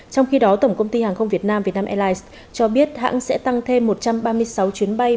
trong khi đó tổng công ty hàng không việt nam vietnam airlines cho biết hãng sẽ tăng thêm một trăm ba mươi sáu chuyến bay